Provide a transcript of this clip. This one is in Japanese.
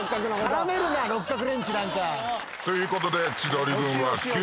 絡めるな六角レンチなんか。ということで。